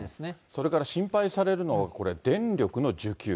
それから心配されるのはこれ、電力の受給。